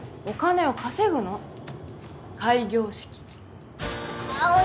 お金を稼ぐの開業資金